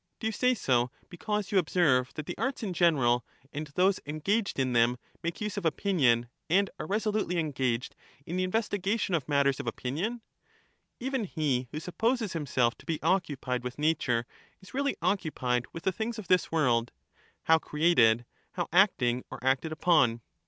Do you say so because you observe that the arts in 59 general and those engaged ' in them make use of opinion, and are resolutely engaged in the investigation of matters of opinion ? Even he who supposes himself to be occupied with nature is really occupied with the things of this world, how created, how acting or acted upon.